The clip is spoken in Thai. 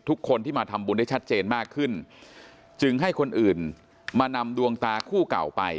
ทุกคนที่มาทำบุญได้ชัดเจนมากขึ้นจึงให้คนอื่นมานำดวงตาคู่เก่าไป